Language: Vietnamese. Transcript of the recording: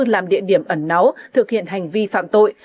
làm địa điểm ẩn náu thực hiện hành vi phạm tội